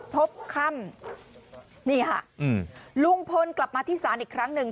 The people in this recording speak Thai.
พบค่ำนี่ค่ะลุงพลกลับมาที่ศาลอีกครั้งหนึ่ง